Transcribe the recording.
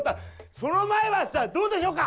その前はさどうでしょうか！